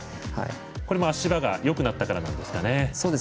これも足場がよくなったからなんですかね。